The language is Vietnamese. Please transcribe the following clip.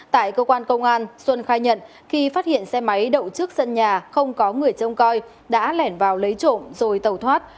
tại cơ quan công an xuân khai nhận khi phát hiện xe máy đậu trước sân nhà không có người trông coi đã lẻn vào lấy trộm rồi tàu thoát